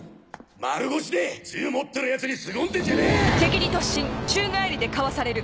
丸腰で銃持ってるヤツにすごんでんじゃねえ！